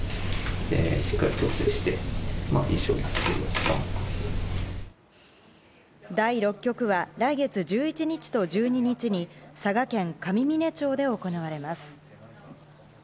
しっかり調整して、いい将棋が指せるように第６局は来月１１日と１２日に佐賀県上峰町で行われます。